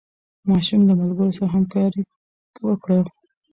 ماشوم له ملګرو سره همکاري وکړه